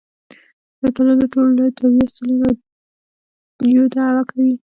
یو دلال د ټول ولایت د اویا سلنې رایو دعوی کوي.